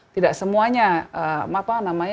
tidak semuanya apa namanya